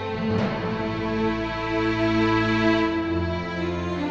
umur namamu masih cukup bulat dengan kero yang lain lagi bitter bitter